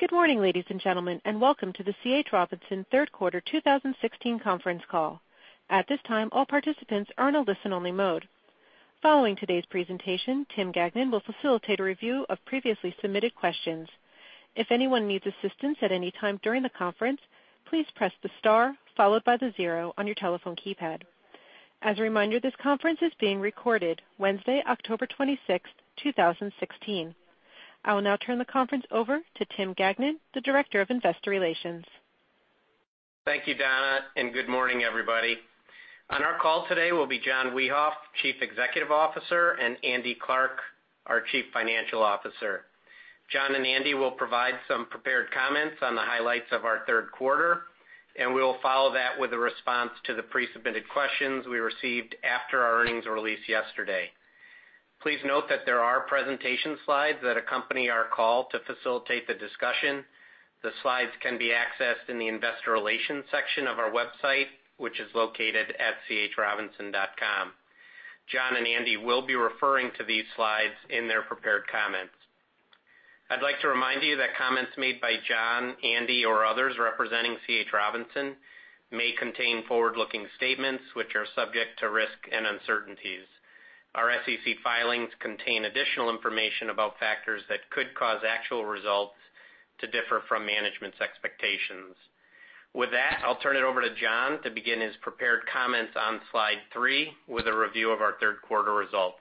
Good morning, ladies and gentlemen, and welcome to the C.H. Robinson third quarter 2016 conference call. At this time, all participants are in a listen-only mode. Following today's presentation, Tim Gagnon will facilitate a review of previously submitted questions. If anyone needs assistance at any time during the conference, please press the star followed by the 0 on your telephone keypad. As a reminder, this conference is being recorded Wednesday, October 26, 2016. I will now turn the conference over to Tim Gagnon, the Director of Investor Relations. Thank you, Donna. Good morning, everybody. On our call today will be John Wiehoff, Chief Executive Officer, and Andy Clarke, our Chief Financial Officer. John and Andy will provide some prepared comments on the highlights of our third quarter, and we will follow that with a response to the pre-submitted questions we received after our earnings release yesterday. Please note that there are presentation slides that accompany our call to facilitate the discussion. The slides can be accessed in the Investor Relations section of our website, which is located at chrobinson.com. John and Andy will be referring to these slides in their prepared comments. I'd like to remind you that comments made by John, Andy, or others representing C.H. Robinson may contain forward-looking statements, which are subject to risk and uncertainties. Our SEC filings contain additional information about factors that could cause actual results to differ from management's expectations. With that, I'll turn it over to John to begin his prepared comments on Slide three with a review of our third quarter results.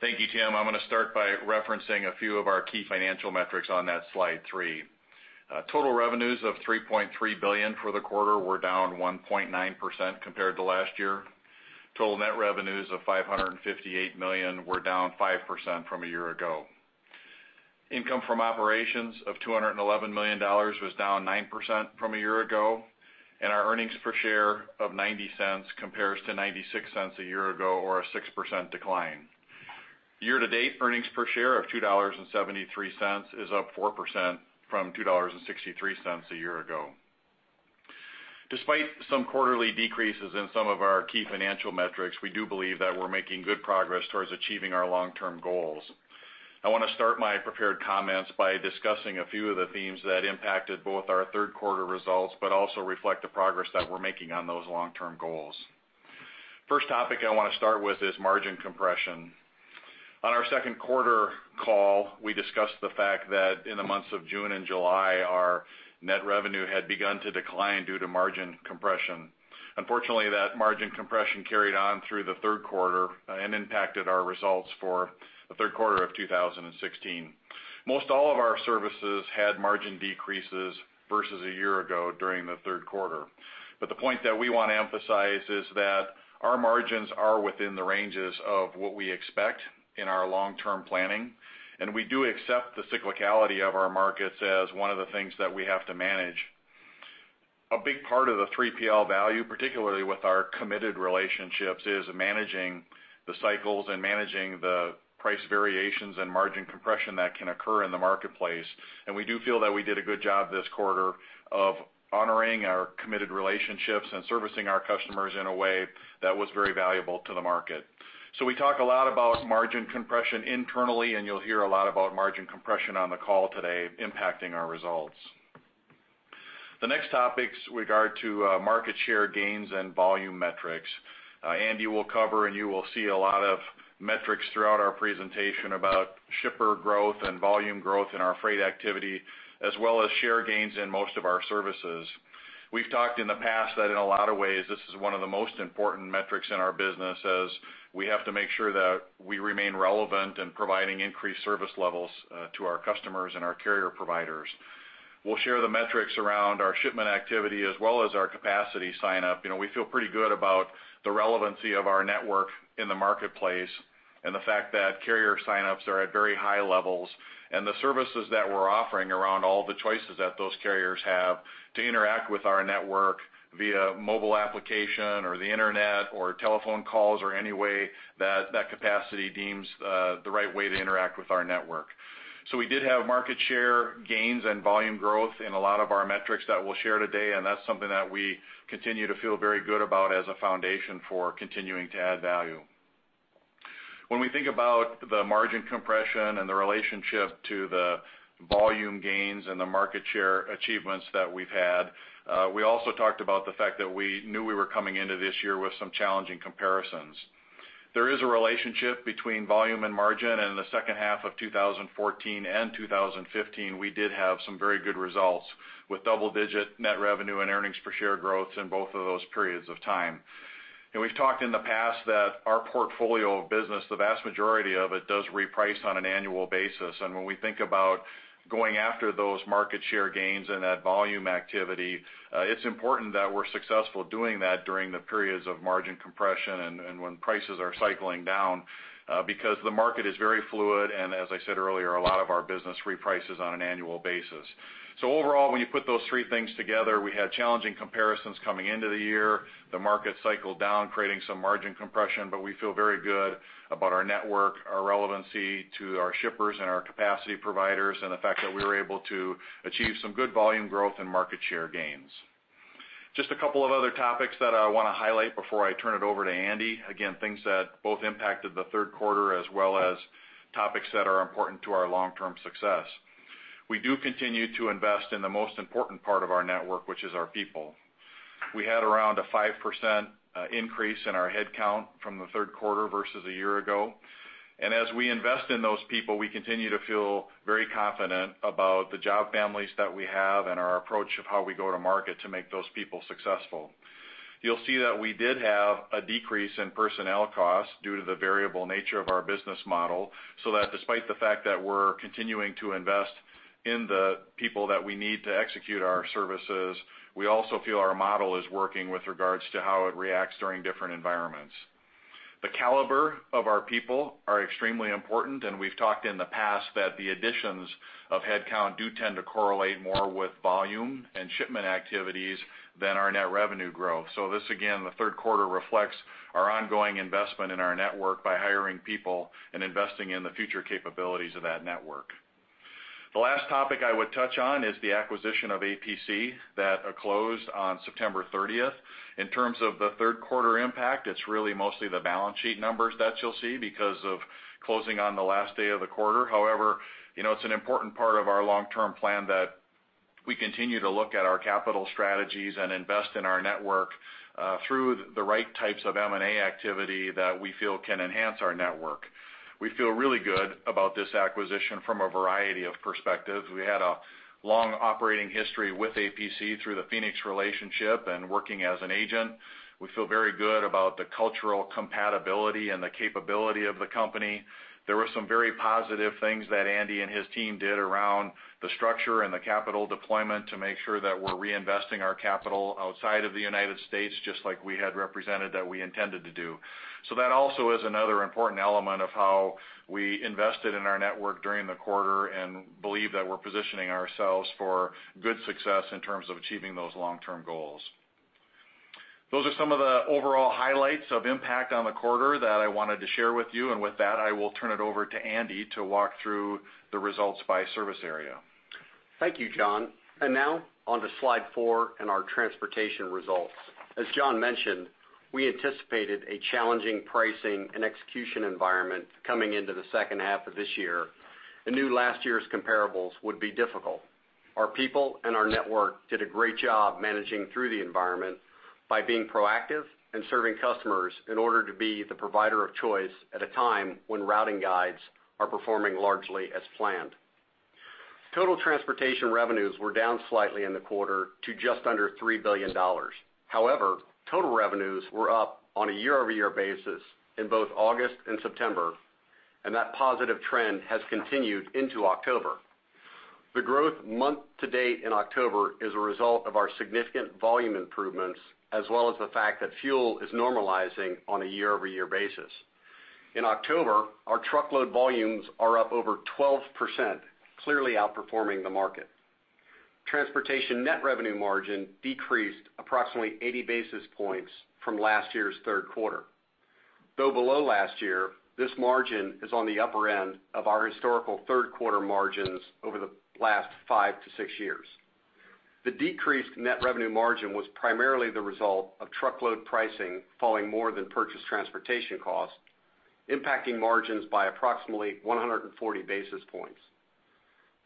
Thank you, Tim. I'm going to start by referencing a few of our key financial metrics on that Slide three. Total revenues of $3.3 billion for the quarter were down 1.9% compared to last year. Total net revenues of $558 million were down 5% from a year ago. Income from operations of $211 million was down 9% from a year ago, and our earnings per share of $0.90 compares to $0.96 a year ago, or a 6% decline. Year-to-date earnings per share of $2.73 is up 4% from $2.63 a year ago. Despite some quarterly decreases in some of our key financial metrics, we do believe that we're making good progress towards achieving our long-term goals. I want to start my prepared comments by discussing a few of the themes that impacted both our third quarter results, but also reflect the progress that we're making on those long-term goals. First topic I want to start with is margin compression. On our second quarter call, we discussed the fact that in the months of June and July, our net revenue had begun to decline due to margin compression. Unfortunately, that margin compression carried on through the third quarter and impacted our results for the third quarter of 2016. Most all of our services had margin decreases versus a year ago during the third quarter. The point that we want to emphasize is that our margins are within the ranges of what we expect in our long-term planning, and we do accept the cyclicality of our markets as one of the things that we have to manage. A big part of the 3PL value, particularly with our committed relationships, is managing the cycles and managing the price variations and margin compression that can occur in the marketplace, and we do feel that we did a good job this quarter of honoring our committed relationships and servicing our customers in a way that was very valuable to the market. We talk a lot about margin compression internally, and you'll hear a lot about margin compression on the call today impacting our results. The next topic's regard to market share gains and volume metrics. Andy will cover, and you will see a lot of metrics throughout our presentation about shipper growth and volume growth in our freight activity, as well as share gains in most of our services. We've talked in the past that in a lot of ways, this is one of the most important metrics in our business, as we have to make sure that we remain relevant in providing increased service levels to our customers and our carrier providers. We'll share the metrics around our shipment activity as well as our capacity sign-up. We feel pretty good about the relevancy of our network in the marketplace and the fact that carrier sign-ups are at very high levels. The services that we're offering around all the choices that those carriers have to interact with our network via mobile application or the internet or telephone calls or any way that capacity deems the right way to interact with our network. We did have market share gains and volume growth in a lot of our metrics that we'll share today, and that's something that we continue to feel very good about as a foundation for continuing to add value. When we think about the margin compression and the relationship to the volume gains and the market share achievements that we've had, we also talked about the fact that we knew we were coming into this year with some challenging comparisons. There is a relationship between volume and margin, and in the second half of 2014 and 2015, we did have some very good results with double-digit net revenue and earnings per share growth in both of those periods of time. We've talked in the past that our portfolio of business, the vast majority of it does reprice on an annual basis. When we think about going after those market share gains and that volume activity, it's important that we're successful doing that during the periods of margin compression and when prices are cycling down because the market is very fluid, and as I said earlier, a lot of our business reprices on an annual basis. Overall, when you put those three things together, we had challenging comparisons coming into the year. The market cycled down, creating some margin compression, but we feel very good about our network, our relevancy to our shippers and our capacity providers, and the fact that we were able to achieve some good volume growth and market share gains. Just a couple of other topics that I want to highlight before I turn it over to Andy. Things that both impacted the third quarter, as well as topics that are important to our long-term success. We do continue to invest in the most important part of our network, which is our people. We had around a 5% increase in our headcount from the third quarter versus a year ago. As we invest in those people, we continue to feel very confident about the job families that we have and our approach of how we go to market to make those people successful. You'll see that we did have a decrease in personnel costs due to the variable nature of our business model, so that despite the fact that we're continuing to invest in the people that we need to execute our services, we also feel our model is working with regards to how it reacts during different environments. The caliber of our people are extremely important, and we've talked in the past that the additions of headcount do tend to correlate more with volume and shipment activities than our net revenue growth. This, again, the third quarter reflects our ongoing investment in our network by hiring people and investing in the future capabilities of that network. The last topic I would touch on is the acquisition of APC that closed on September 30th. In terms of the third quarter impact, it's really mostly the balance sheet numbers that you'll see because of closing on the last day of the quarter. However, it's an important part of our long-term plan that we continue to look at our capital strategies and invest in our network through the right types of M&A activity that we feel can enhance our network. We feel really good about this acquisition from a variety of perspectives. We had a long operating history with APC through the Phoenix relationship and working as an agent. We feel very good about the cultural compatibility and the capability of the company. There were some very positive things that Andy and his team did around the structure and the capital deployment to make sure that we're reinvesting our capital outside of the United States, just like we had represented that we intended to do. That also is another important element of how we invested in our network during the quarter and believe that we're positioning ourselves for good success in terms of achieving those long-term goals. Those are some of the overall highlights of impact on the quarter that I wanted to share with you. With that, I will turn it over to Andy to walk through the results by service area. Thank you, John. Now on to Slide four and our transportation results. As John mentioned, we anticipated a challenging pricing and execution environment coming into the second half of this year and knew last year's comparables would be difficult. Our people and our network did a great job managing through the environment by being proactive and serving customers in order to be the provider of choice at a time when routing guides are performing largely as planned. Total transportation revenues were down slightly in the quarter to just under $3 billion. However, total revenues were up on a year-over-year basis in both August and September, and that positive trend has continued into October. The growth month to date in October is a result of our significant volume improvements, as well as the fact that fuel is normalizing on a year-over-year basis. In October, our truckload volumes are up over 12%, clearly outperforming the market. Transportation net revenue margin decreased approximately 80 basis points from last year's third quarter. Though below last year, this margin is on the upper end of our historical third quarter margins over the last five to six years. The decreased net revenue margin was primarily the result of truckload pricing falling more than purchased transportation costs, impacting margins by approximately 140 basis points.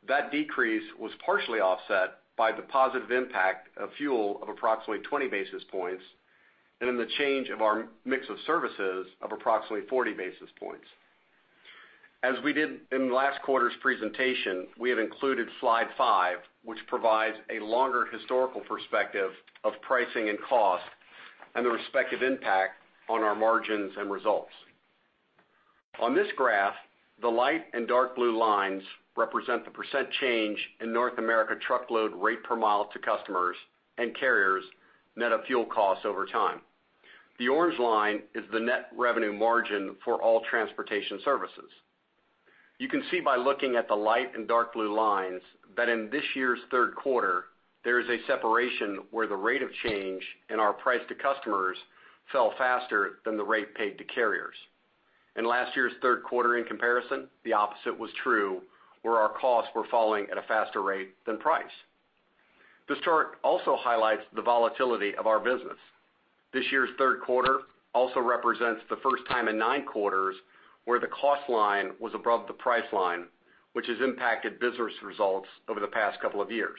That decrease was partially offset by the positive impact of fuel of approximately 20 basis points and in the change of our mix of services of approximately 40 basis points. As we did in last quarter's presentation, we have included Slide five, which provides a longer historical perspective of pricing and cost and the respective impact on our margins and results. On this graph, the light and dark blue lines represent the % change in North America truckload rate per mile to customers and carriers net of fuel costs over time. The orange line is the net revenue margin for all transportation services. You can see by looking at the light and dark blue lines that in this year's third quarter, there is a separation where the rate of change in our price to customers fell faster than the rate paid to carriers. In last year's third quarter in comparison, the opposite was true, where our costs were falling at a faster rate than price. This chart also highlights the volatility of our business. This year's third quarter also represents the first time in nine quarters where the cost line was above the price line, which has impacted business results over the past couple of years.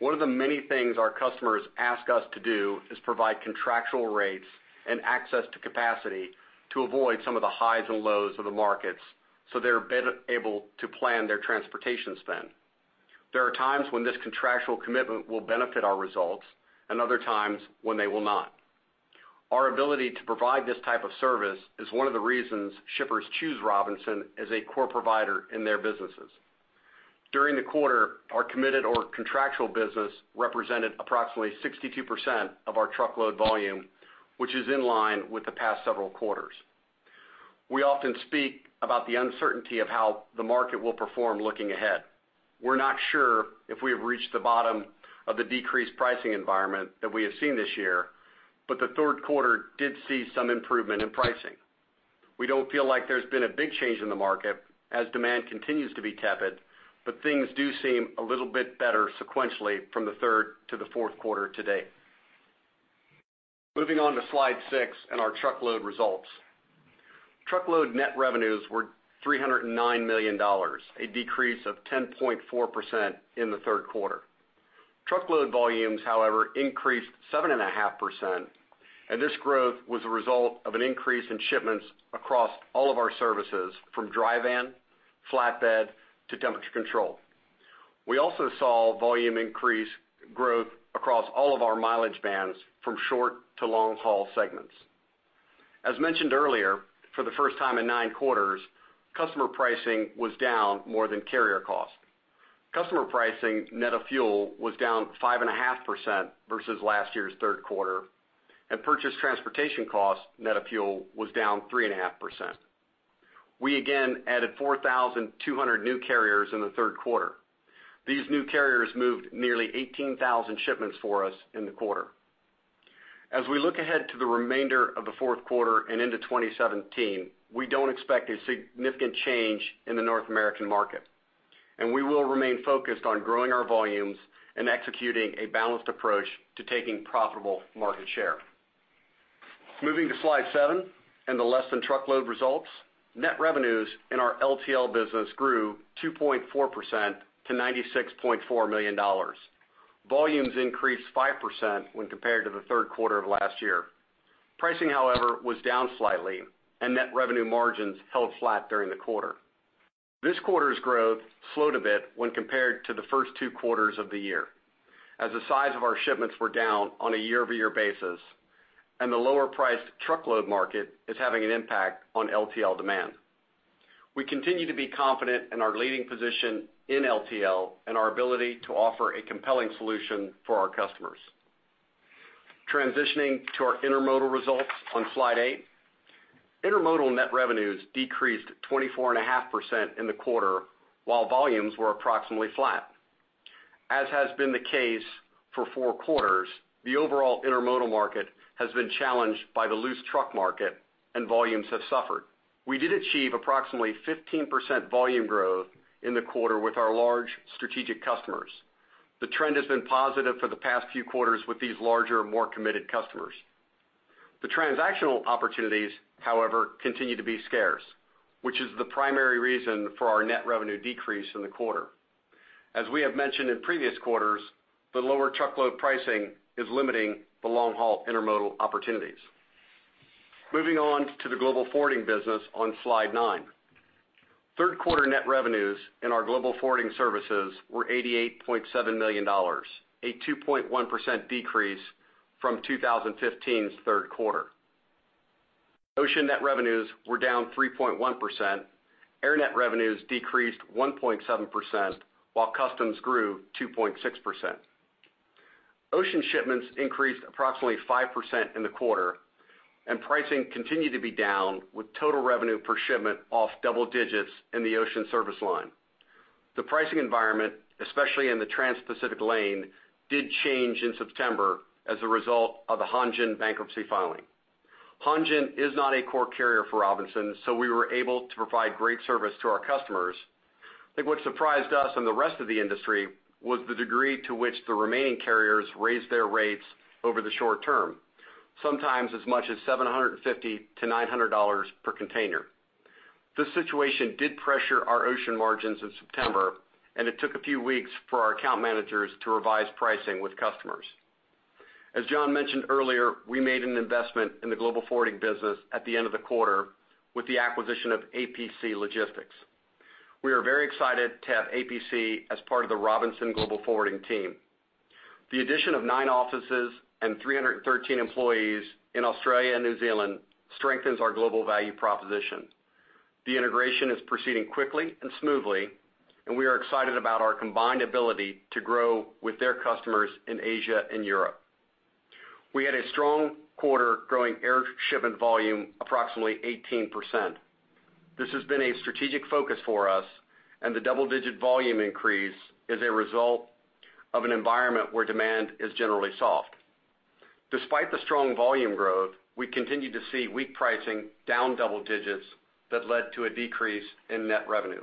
One of the many things our customers ask us to do is provide contractual rates and access to capacity to avoid some of the highs and lows of the markets, so they're better able to plan their transportation spend. There are times when this contractual commitment will benefit our results and other times when they will not. Our ability to provide this type of service is one of the reasons shippers choose Robinson as a core provider in their businesses. During the quarter, our committed or contractual business represented approximately 62% of our truckload volume, which is in line with the past several quarters. We often speak about the uncertainty of how the market will perform looking ahead. We're not sure if we have reached the bottom of the decreased pricing environment that we have seen this year, but the third quarter did see some improvement in pricing. We don't feel like there's been a big change in the market as demand continues to be tepid. Things do seem a little bit better sequentially from the third to the fourth quarter to date. Moving on to Slide 6 and our Truckload results. Truckload net revenues were $309 million, a decrease of 10.4% in the third quarter. Truckload volumes, however, increased 7.5%, and this growth was a result of an increase in shipments across all of our services, from dry van, flatbed to temperature control. We also saw volume increase growth across all of our mileage bands, from short to long-haul segments. As mentioned earlier, for the first time in nine quarters, customer pricing was down more than carrier cost. Customer pricing net of fuel was down 5.5% versus last year's third quarter, and purchase transportation cost net of fuel was down 3.5%. We again added 4,200 new carriers in the third quarter. These new carriers moved nearly 18,000 shipments for us in the quarter. As we look ahead to the remainder of the fourth quarter and into 2017, we don't expect a significant change in the North American market. We will remain focused on growing our volumes and executing a balanced approach to taking profitable market share. Moving to Slide seven and the Less Than Truckload results. Net revenues in our LTL business grew 2.4% to $96.4 million. Volumes increased 5% when compared to the third quarter of last year. Pricing, however, was down slightly and net revenue margins held flat during the quarter. This quarter's growth slowed a bit when compared to the first two quarters of the year, as the size of our shipments were down on a year-over-year basis. The lower priced Truckload market is having an impact on LTL demand. We continue to be confident in our leading position in LTL and our ability to offer a compelling solution for our customers. Transitioning to our Intermodal results on Slide eight. Intermodal net revenues decreased 24.5% in the quarter, while volumes were approximately flat. As has been the case for four quarters, the overall Intermodal market has been challenged by the loose truck market and volumes have suffered. We did achieve approximately 15% volume growth in the quarter with our large strategic customers. The trend has been positive for the past few quarters with these larger, more committed customers. The transactional opportunities, however, continue to be scarce, which is the primary reason for our net revenue decrease in the quarter. As we have mentioned in previous quarters, the lower Truckload pricing is limiting the long-haul Intermodal opportunities. Moving on to the Global Forwarding business on Slide nine. Third quarter net revenues in our Global Forwarding services were $88.7 million, a 2.1% decrease from 2015's third quarter. Ocean net revenues were down 3.1%, Air net revenues decreased 1.7%, while Customs grew 2.6%. Ocean shipments increased approximately 5% in the quarter, and pricing continued to be down with total revenue per shipment off double digits in the Ocean service line. The pricing environment, especially in the Transpacific lane, did change in September as a result of the Hanjin bankruptcy filing. Hanjin is not a core carrier for Robinson, so we were able to provide great service to our customers. I think what surprised us and the rest of the industry was the degree to which the remaining carriers raised their rates over the short term, sometimes as much as $750 to $900 per container. This situation did pressure our Ocean margins in September, and it took a few weeks for our account managers to revise pricing with customers. As John mentioned earlier, we made an investment in the Global Forwarding business at the end of the quarter with the acquisition of APC Logistics. We are very excited to have APC as part of the Robinson Global Forwarding team. The addition of 9 offices and 313 employees in Australia and New Zealand strengthens our global value proposition. The integration is proceeding quickly and smoothly, and we are excited about our combined ability to grow with their customers in Asia and Europe. We had a strong quarter growing Air shipment volume approximately 18%. This has been a strategic focus for us, and the double-digit volume increase is a result of an environment where demand is generally soft. Despite the strong volume growth, we continue to see weak pricing down double digits that led to a decrease in net revenue.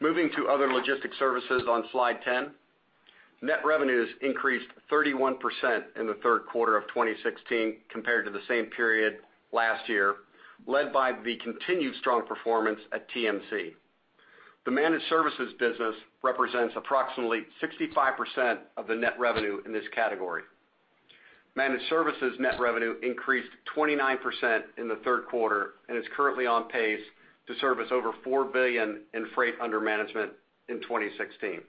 Moving to Other Logistics Services on Slide 10. Net revenues increased 31% in the third quarter of 2016 compared to the same period last year, led by the continued strong performance at TMC. The Managed Services business represents approximately 65% of the net revenue in this category. Managed Services net revenue increased 29% in the third quarter and is currently on pace to service over $4 billion in freight under management in 2016.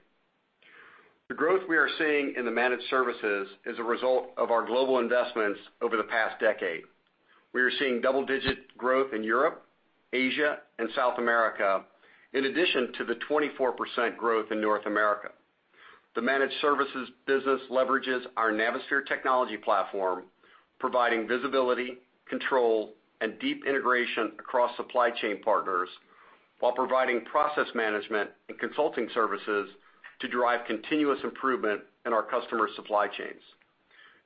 The growth we are seeing in the Managed Services is a result of our global investments over the past decade. We are seeing double-digit growth in Europe, Asia and South America, in addition to the 24% growth in North America. The Managed Services business leverages our Navisphere technology platform, providing visibility, control, and deep integration across supply chain partners while providing process management and consulting services to drive continuous improvement in our customers' supply chains.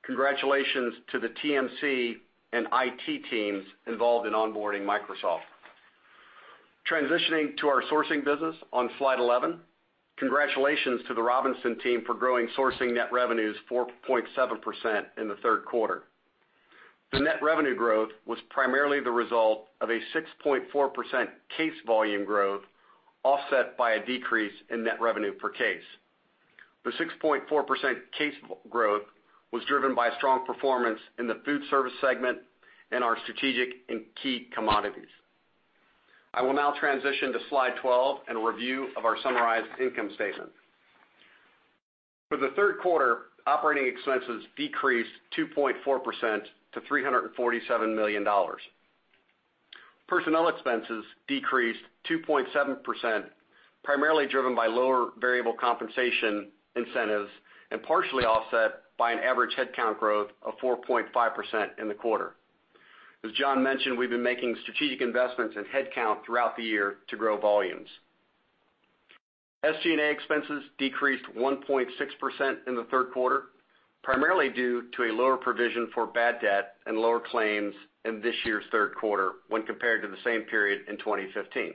Congratulations to the TMC and IT teams involved in onboarding Microsoft. Transitioning to our sourcing business on Slide 11, congratulations to the Robinson team for growing sourcing net revenues 4.7% in the third quarter. The net revenue growth was primarily the result of a 6.4% case volume growth, offset by a decrease in net revenue per case. The 6.4% case growth was driven by strong performance in the food service segment and our strategic and key commodities. I will now transition to Slide 12 and a review of our summarized income statement. For the third quarter, operating expenses decreased 2.4% to $347 million. Personnel expenses decreased 2.7%, primarily driven by lower variable compensation incentives, and partially offset by an average headcount growth of 4.5% in the quarter. As John mentioned, we've been making strategic investments in headcount throughout the year to grow volumes. SG&A expenses decreased 1.6% in the third quarter, primarily due to a lower provision for bad debt and lower claims in this year's third quarter when compared to the same period in 2015.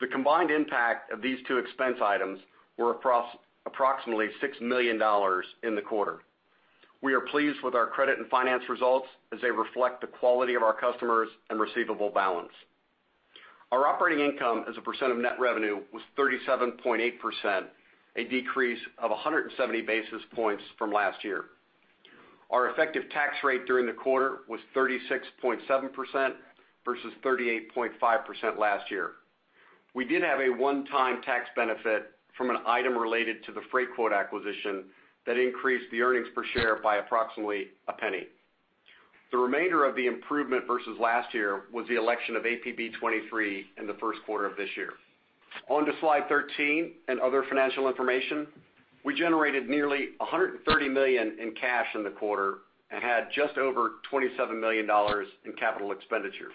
The combined impact of these two expense items were approximately $6 million in the quarter. We are pleased with our credit and finance results as they reflect the quality of our customers and receivable balance. Our operating income as a percent of net revenue was 37.8%, a decrease of 170 basis points from last year. Our effective tax rate during the quarter was 36.7% versus 38.5% last year. We did have a one-time tax benefit from an item related to the Freightquote acquisition that increased the earnings per share by approximately a penny. The remainder of the improvement versus last year was the election of APB 23 in the first quarter of this year. On to slide 13 and other financial information. We generated nearly $130 million in cash in the quarter and had just over $27 million in capital expenditures.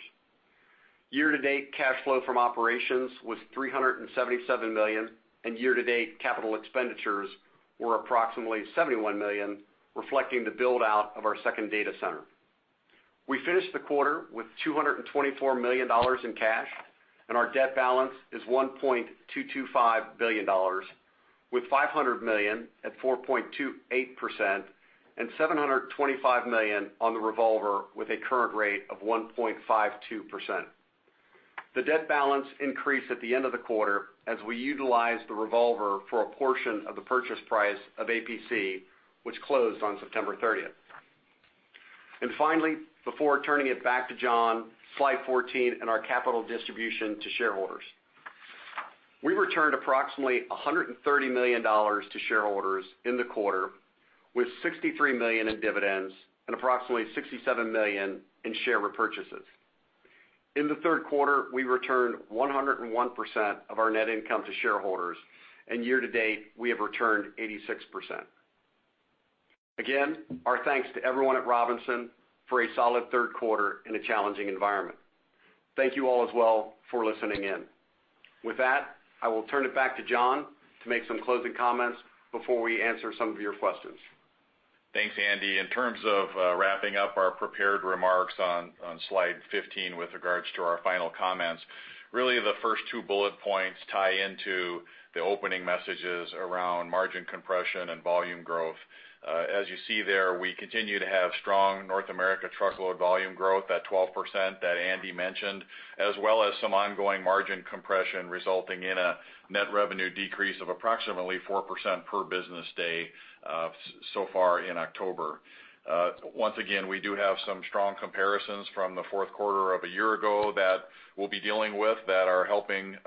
Year-to-date cash flow from operations was $377 million, and year-to-date capital expenditures were approximately $71 million, reflecting the build-out of our second data center. We finished the quarter with $224 million in cash, and our debt balance is $1.225 billion, with $500 million at 4.28% and $725 million on the revolver with a current rate of 1.52%. The debt balance increased at the end of the quarter as we utilized the revolver for a portion of the purchase price of APC, which closed on September 30th. Finally, before turning it back to John, slide 14 and our capital distribution to shareholders. We returned approximately $130 million to shareholders in the quarter, with $63 million in dividends and approximately $67 million in share repurchases. In the third quarter, we returned 101% of our net income to shareholders, and year-to-date, we have returned 86%. Again, our thanks to everyone at Robinson for a solid third quarter in a challenging environment. Thank you all as well for listening in. With that, I will turn it back to John to make some closing comments before we answer some of your questions. Thanks, Andy. In terms of wrapping up our prepared remarks on slide 15 with regards to our final comments, really the first two bullet points tie into the opening messages around margin compression and volume growth. As you see there, we continue to have strong North America truckload volume growth at 12% that Andy mentioned, as well as some ongoing margin compression resulting in a net revenue decrease of approximately 4% per business day so far in October. Once again, we do have some strong comparisons from the fourth quarter of a year ago that we'll be dealing with that are helping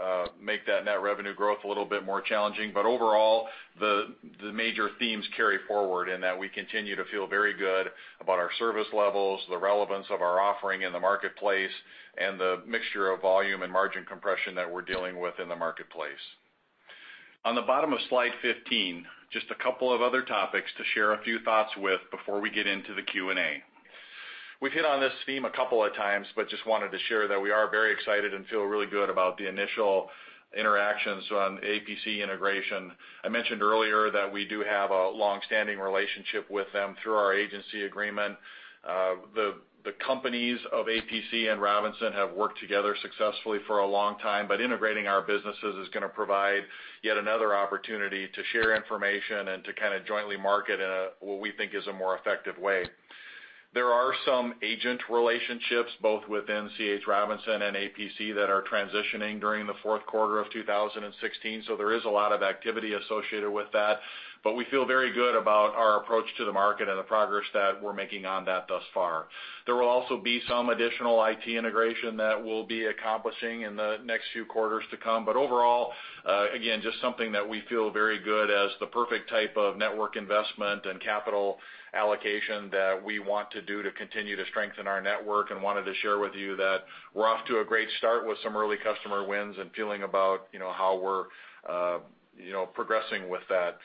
make that net revenue growth a little bit more challenging. Overall, the major themes carry forward in that we continue to feel very good about our service levels, the relevance of our offering in the marketplace, and the mixture of volume and margin compression that we're dealing with in the marketplace. On the bottom of slide 15, just a couple of other topics to share a few thoughts with before we get into the Q&A. We've hit on this theme a couple of times, just wanted to share that we are very excited and feel really good about the initial interactions on APC integration. I mentioned earlier that we do have a long-standing relationship with them through our agency agreement. The companies of APC and Robinson have worked together successfully for a long time, integrating our businesses is going to provide yet another opportunity to share information and to jointly market in what we think is a more effective way. There are some agent relationships, both within C.H. Robinson and APC, that are transitioning during the fourth quarter of 2016, there is a lot of activity associated with that, we feel very good about our approach to the market and the progress that we're making on that thus far. There will also be some additional IT integration that we'll be accomplishing in the next few quarters to come. Overall, again, just something that we feel very good as the perfect type of network investment and capital allocation that we want to do to continue to strengthen our network and wanted to share with you that we're off to a great start with some early customer wins and feeling about how we're progressing with that.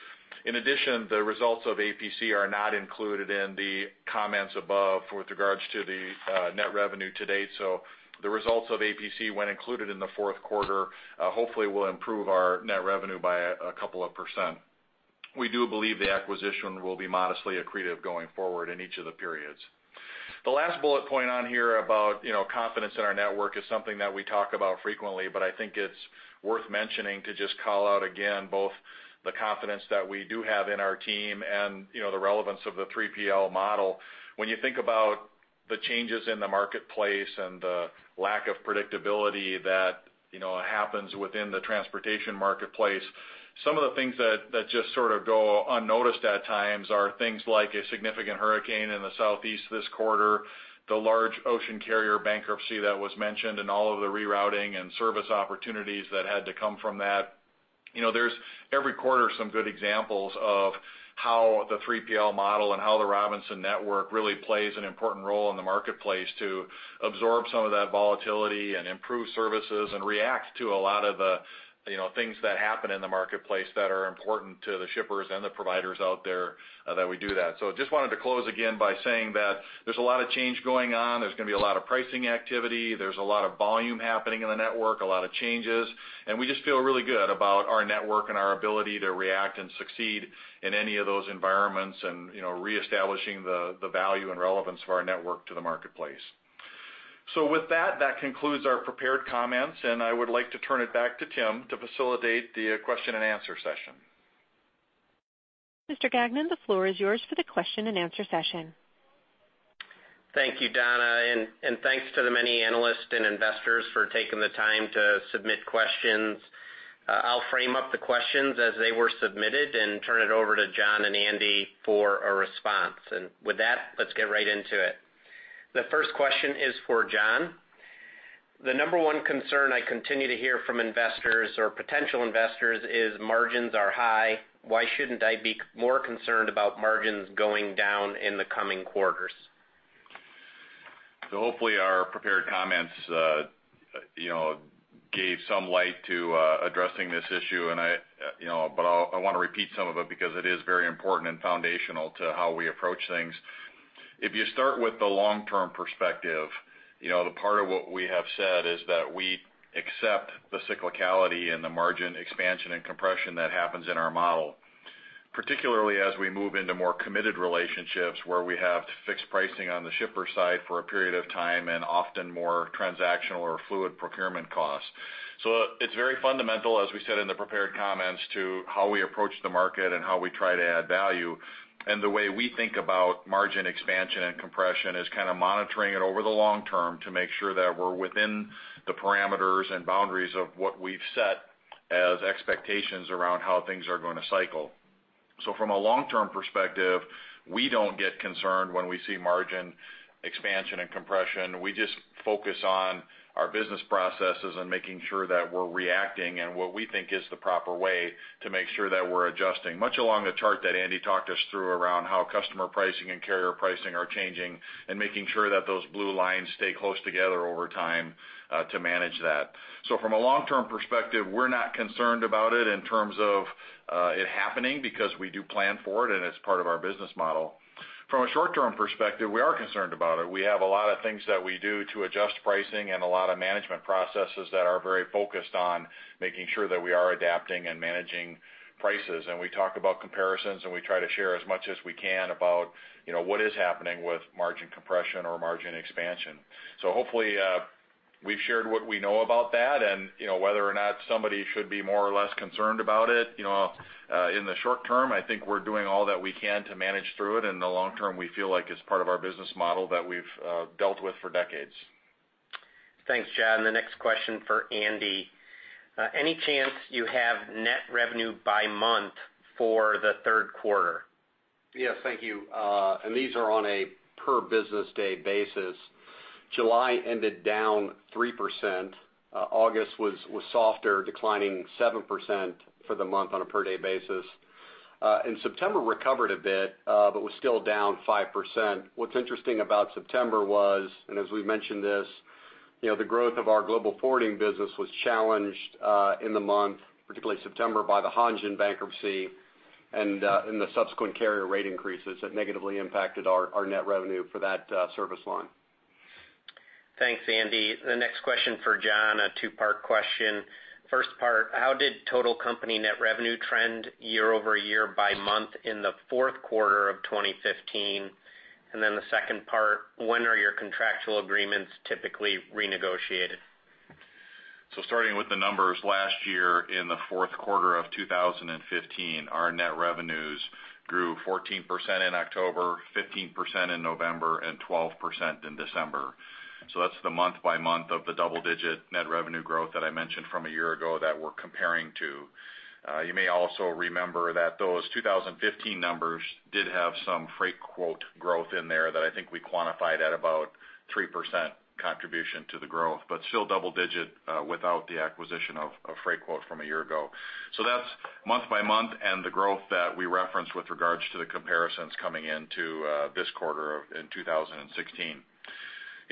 In addition, the results of APC are not included in the comments above with regards to the net revenue to date. The results of APC, when included in the fourth quarter, hopefully will improve our net revenue by a couple of %. We do believe the acquisition will be modestly accretive going forward in each of the periods. The last bullet point on here about confidence in our network is something that we talk about frequently, I think it's worth mentioning to just call out again both the confidence that we do have in our team and the relevance of the 3PL model. When you think about the changes in the marketplace and the lack of predictability that happens within the transportation marketplace, some of the things that just sort of go unnoticed at times are things like a significant hurricane in the Southeast this quarter, the large ocean carrier bankruptcy that was mentioned, and all of the rerouting and service opportunities that had to come from that. There's, every quarter, some good examples of how the 3PL model and how the Robinson network really plays an important role in the marketplace to absorb some of that volatility and improve services and react to a lot of the things that happen in the marketplace that are important to the shippers and the providers out there that we do that. Just wanted to close again by saying that there's a lot of change going on. There's going to be a lot of pricing activity. There's a lot of volume happening in the network, a lot of changes, and we just feel really good about our network and our ability to react and succeed in any of those environments and reestablishing the value and relevance of our network to the marketplace. With that concludes our prepared comments, and I would like to turn it back to Tim to facilitate the question and answer session. Mr. Gagnon, the floor is yours for the question and answer session. Thank you, Donna, and thanks to the many analysts and investors for taking the time to submit questions. I'll frame up the questions as they were submitted and turn it over to John and Andy for a response. With that, let's get right into it. The first question is for John. The number one concern I continue to hear from investors or potential investors is margins are high. Why shouldn't I be more concerned about margins going down in the coming quarters? Hopefully our prepared comments gave some light to addressing this issue. I want to repeat some of it because it is very important and foundational to how we approach things. If you start with the long-term perspective, the part of what we have said is that we accept the cyclicality and the margin expansion and compression that happens in our model, particularly as we move into more committed relationships where we have fixed pricing on the shipper side for a period of time and often more transactional or fluid procurement costs. It's very fundamental, as we said in the prepared comments, to how we approach the market and how we try to add value. The way we think about margin expansion and compression is kind of monitoring it over the long term to make sure that we're within the parameters and boundaries of what we've set as expectations around how things are going to cycle. From a long-term perspective, we don't get concerned when we see margin expansion and compression. We just focus on our business processes and making sure that we're reacting in what we think is the proper way to make sure that we're adjusting, much along the chart that Andy talked us through around how customer pricing and carrier pricing are changing and making sure that those blue lines stay close together over time to manage that. From a long-term perspective, we're not concerned about it in terms of it happening because we do plan for it and it's part of our business model. From a short-term perspective, we are concerned about it. We have a lot of things that we do to adjust pricing and a lot of management processes that are very focused on making sure that we are adapting and managing prices. We talk about comparisons, and we try to share as much as we can about what is happening with margin compression or margin expansion. Hopefully, we've shared what we know about that, and whether or not somebody should be more or less concerned about it. In the short term, I think we're doing all that we can to manage through it, and in the long term, we feel like it's part of our business model that we've dealt with for decades. Thanks, John. The next question for Andy. Any chance you have net revenue by month for the third quarter? Yes. Thank you. These are on a per business day basis. July ended down 3%. August was softer, declining 7% for the month on a per day basis. September recovered a bit, but was still down 5%. What's interesting about September was, as we've mentioned this, the growth of our Global Forwarding business was challenged in the month, particularly September, by the Hanjin bankruptcy and the subsequent carrier rate increases that negatively impacted our net revenue for that service line. Thanks, Andy. The next question for John, a two-part question. First part, how did total company net revenue trend year-over-year by month in the fourth quarter of 2015? The second part, when are your contractual agreements typically renegotiated? Starting with the numbers, last year in the fourth quarter of 2015, our net revenues grew 14% in October, 15% in November, and 12% in December. That's the month by month of the double-digit net revenue growth that I mentioned from a year ago that we're comparing to. You may also remember that those 2015 numbers did have some Freightquote growth in there that I think we quantified at about 3% contribution to the growth. Still double digit without the acquisition of Freightquote from a year ago. That's month by month and the growth that we referenced with regards to the comparisons coming into this quarter in 2016.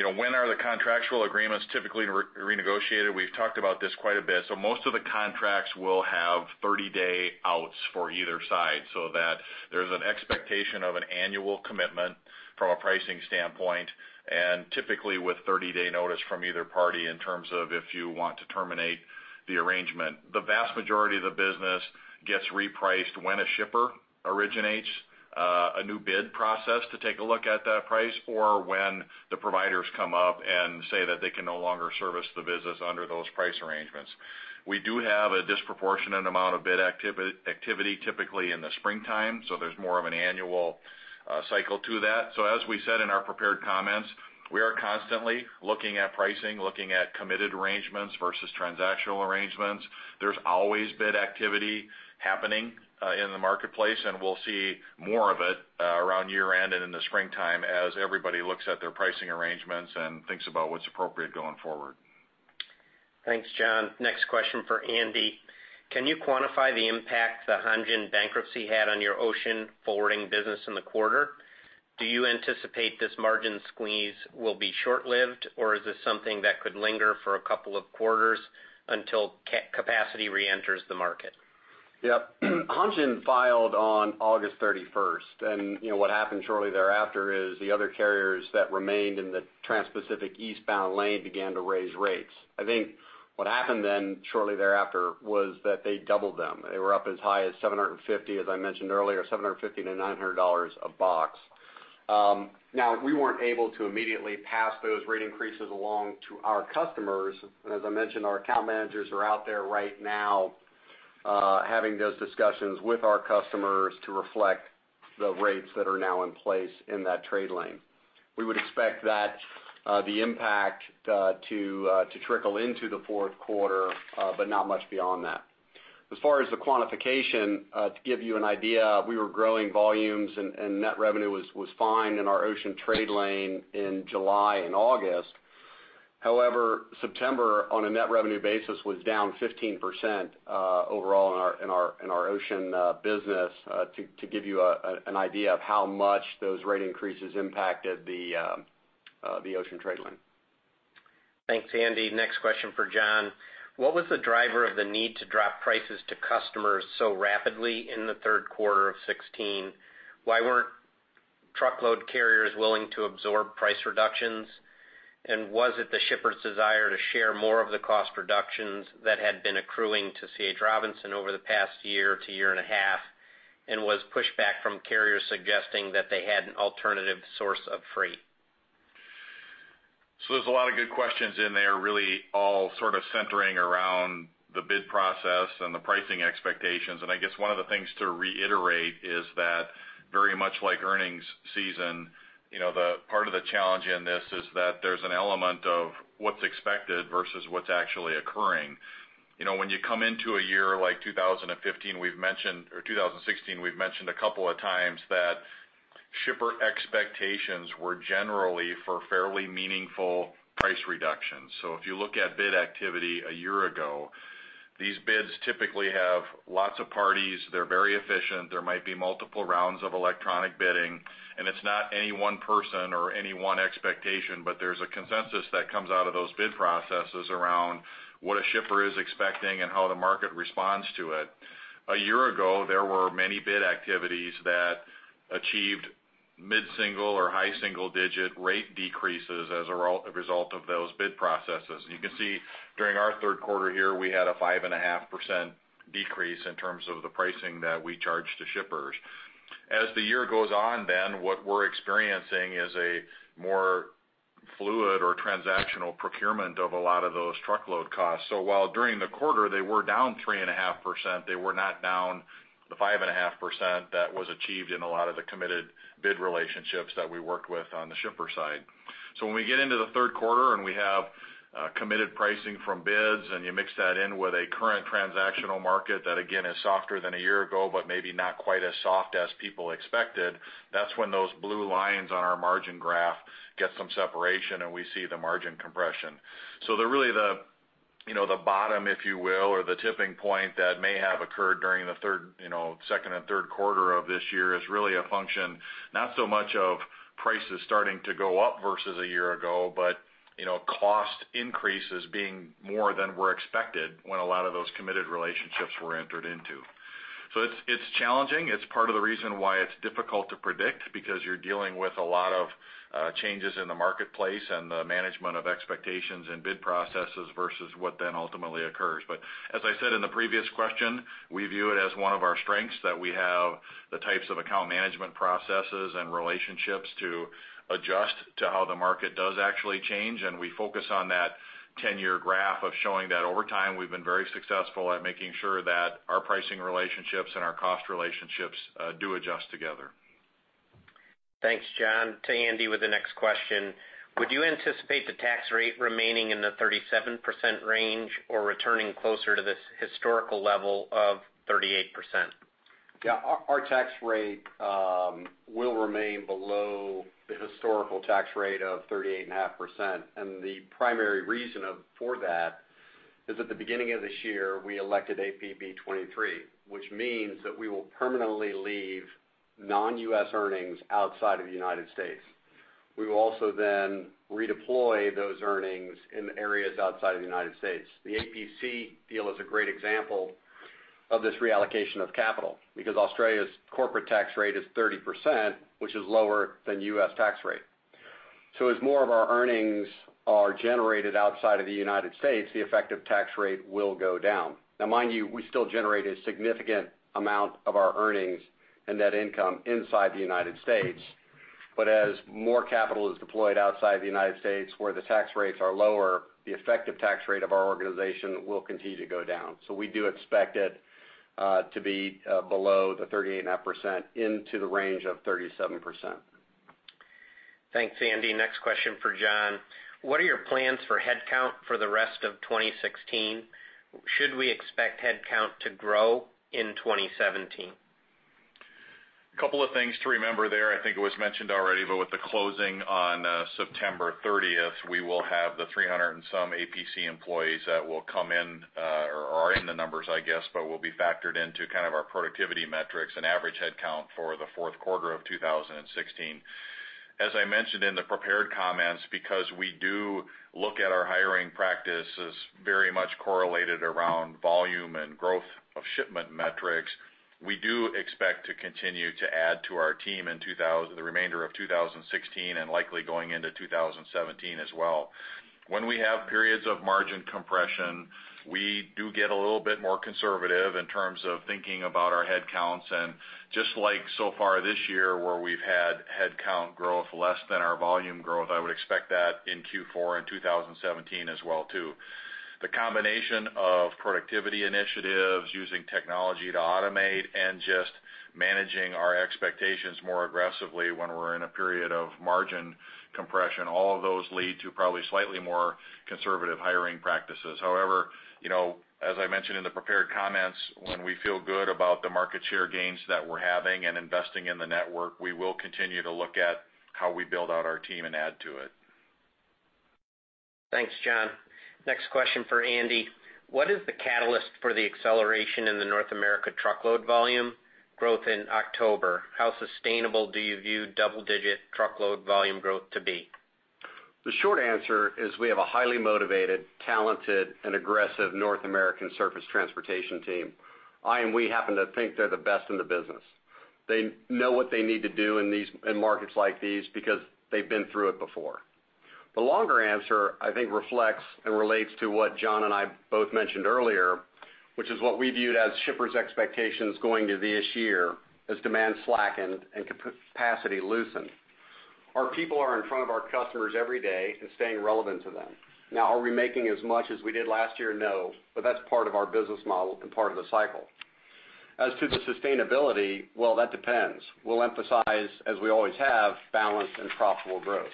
When are the contractual agreements typically renegotiated? We've talked about this quite a bit. Most of the contracts will have 30-day outs for either side so that there's an expectation of an annual commitment from a pricing standpoint, and typically with 30-day notice from either party in terms of if you want to terminate the arrangement. The vast majority of the business gets repriced when a shipper originates a new bid process to take a look at that price, or when the providers come up and say that they can no longer service the business under those price arrangements. We do have a disproportionate amount of bid activity typically in the springtime, so there's more of an annual cycle to that. As we said in our prepared comments, we are constantly looking at pricing, looking at committed arrangements versus transactional arrangements. There's always bid activity happening in the marketplace, and we'll see more of it around year-end and in the springtime as everybody looks at their pricing arrangements and thinks about what's appropriate going forward. Thanks, John. Next question for Andy. Can you quantify the impact the Hanjin bankruptcy had on your ocean forwarding business in the quarter? Do you anticipate this margin squeeze will be short-lived, or is this something that could linger for a couple of quarters until capacity reenters the market? Yep. Hanjin filed on August 31st, and what happened shortly thereafter is the other carriers that remained in the Transpacific eastbound lane began to raise rates. I think what happened then shortly thereafter was that they doubled them. They were up as high as $750, as I mentioned earlier, $750-$900 a box. Now, we weren't able to immediately pass those rate increases along to our customers. As I mentioned, our account managers are out there right now having those discussions with our customers to reflect the rates that are now in place in that trade lane. We would expect that the impact to trickle into the fourth quarter, but not much beyond that. As far as the quantification, to give you an idea, we were growing volumes and net revenue was fine in our ocean trade lane in July and August. However, September, on a net revenue basis, was down 15% overall in our ocean business to give you an idea of how much those rate increases impacted the ocean trade lane. Thanks, Andy. Next question for John. What was the driver of the need to drop prices to customers so rapidly in Q3 2016? Why weren't truckload carriers willing to absorb price reductions? Was it the shippers' desire to share more of the cost reductions that had been accruing to C.H. Robinson over the past year to 1.5 years? Was pushback from carriers suggesting that they had an alternative source of freight? There's a lot of good questions in there, really all sort of centering around the bid process and the pricing expectations. I guess one of the things to reiterate is that very much like earnings season, the part of the challenge in this is that there's an element of what's expected versus what's actually occurring. When you come into a year like 2015 or 2016, we've mentioned a couple of times that shipper expectations were generally for fairly meaningful price reductions. If you look at bid activity a year ago, these bids typically have lots of parties. They're very efficient. There might be multiple rounds of electronic bidding, and it's not any one person or any one expectation, but there's a consensus that comes out of those bid processes around what a shipper is expecting and how the market responds to it. A year ago, there were many bid activities that achieved mid-single or high single-digit rate decreases as a result of those bid processes. You can see during our third quarter here, we had a 5.5% decrease in terms of the pricing that we charge to shippers. As the year goes on then, what we're experiencing is a more fluid or transactional procurement of a lot of those truckload costs. While during the quarter they were down 3.5%, they were not down the 5.5% that was achieved in a lot of the committed bid relationships that we worked with on the shipper side. When we get into the third quarter and we have committed pricing from bids, and you mix that in with a current transactional market, that again is softer than a year ago, but maybe not quite as soft as people expected, that's when those blue lines on our margin graph get some separation, and we see the margin compression. Really the bottom, if you will, or the tipping point that may have occurred during the second and third quarter of this year is really a function, not so much of prices starting to go up versus a year ago, but cost increases being more than were expected when a lot of those committed relationships were entered into. It's challenging. It's part of the reason why it's difficult to predict, because you're dealing with a lot of changes in the marketplace and the management of expectations and bid processes versus what ultimately occurs. As I said in the previous question, we view it as one of our strengths that we have the types of account management processes and relationships to adjust to how the market does actually change, and we focus on that 10-year graph of showing that over time, we've been very successful at making sure that our pricing relationships and our cost relationships do adjust together. Thanks, John. To Andy with the next question. Would you anticipate the tax rate remaining in the 37% range or returning closer to this historical level of 38%? Our tax rate will remain below the historical tax rate of 38.5%. The primary reason for that is at the beginning of this year, we elected APB 23, which means that we will permanently leave non-U.S. earnings outside of the United States We will also redeploy those earnings in areas outside of the United States. The APC deal is a great example of this reallocation of capital, because Australia's corporate tax rate is 30%, which is lower than U.S. tax rate. As more of our earnings are generated outside of the United States, the effective tax rate will go down. Now mind you, we still generate a significant amount of our earnings and net income inside the United States. As more capital is deployed outside the United States where the tax rates are lower, the effective tax rate of our organization will continue to go down. We do expect it to be below the 38.5% into the range of 37%. Thanks, Andy. Next question for John. What are your plans for headcount for the rest of 2016? Should we expect headcount to grow in 2017? A couple of things to remember there. I think it was mentioned already, With the closing on September 30th, we will have the 300 and some APC employees that will come in, or are in the numbers I guess, but will be factored into our productivity metrics and average headcount for the fourth quarter of 2016. As I mentioned in the prepared comments, because we do look at our hiring practices very much correlated around volume and growth of shipment metrics, we do expect to continue to add to our team in the remainder of 2016 and likely going into 2017 as well. When we have periods of margin compression, we do get a little bit more conservative in terms of thinking about our headcounts and just like so far this year where we've had headcount growth less than our volume growth, I would expect that in Q4 in 2017 as well, too. The combination of productivity initiatives using technology to automate and just managing our expectations more aggressively when we're in a period of margin compression, all of those lead to probably slightly more conservative hiring practices. As I mentioned in the prepared comments, when we feel good about the market share gains that we're having and investing in the network, we will continue to look at how we build out our team and add to it. Thanks, John. Next question for Andy. What is the catalyst for the acceleration in the North America truckload volume growth in October? How sustainable do you view double-digit truckload volume growth to be? The short answer is we have a highly motivated, talented, and aggressive North American surface transportation team. We happen to think they're the best in the business. They know what they need to do in markets like these because they've been through it before. The longer answer, I think, reflects and relates to what John and I both mentioned earlier, which is what we viewed as shippers' expectations going into this year as demand slackened and capacity loosened. Our people are in front of our customers every day and staying relevant to them. Are we making as much as we did last year? No, that's part of our business model and part of the cycle. As to the sustainability, well, that depends. We'll emphasize, as we always have, balanced and profitable growth.